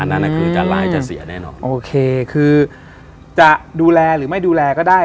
นั่นคือจะร้ายจะเสียแน่นอนโอเคคือจะดูแลหรือไม่ดูแลก็ได้